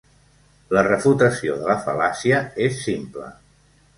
La refutació de la fal·làcia és simple.